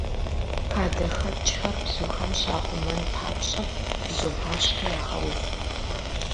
Хадэхэкӏхэр бзухэм щахъумэн папщӏэ, бзугъащтэ ягъэув.